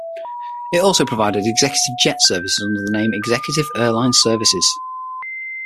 It also provided executive jet services under the name Executive Airline Services.